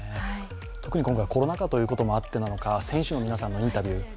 特に今回コロナ禍ということもあってか、選手の皆さんのインタビュー